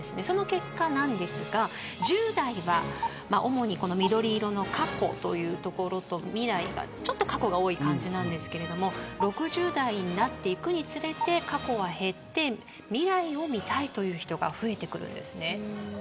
その結果なんですが１０代は主に緑色の過去というところと未来がちょっと過去が多い感じなんですけれども６０代になっていくにつれて過去は減って未来を見たいという人が増えてくるんですね。